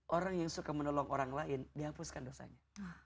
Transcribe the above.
orang yang suka menolong orang lain dihapuskan dosanya